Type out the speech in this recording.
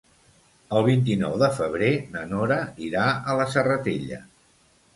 El vint-i-nou de febrer na Nora irà a la Serratella.